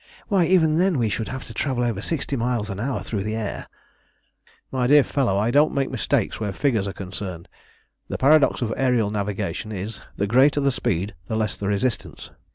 Why, even then we should have to travel over sixty miles an hour through the air." "My dear fellow, I don't make mistakes where figures are concerned. The paradox of aërial navigation is 'the greater the speed the less the resistance.'